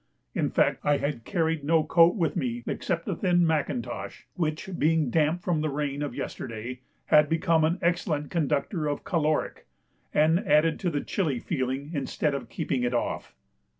In fact I had carried no coat with me except a thin Macintosh, which, being damp from the rain of yesterday, had become an excellent conductor of caloric, and added to the chilly feeling instead of keeping it off.